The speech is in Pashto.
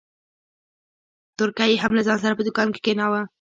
تورکى يې هم له ځان سره په دوکان کښې کښېناوه.